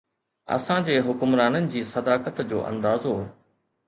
اسان جي حڪمرانن جي صداقت جو اندازو.